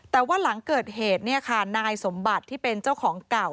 แต่ว่าหลังเกิดเหตุเนี่ยค่ะนายสมบัติที่เป็นเจ้าของเก่า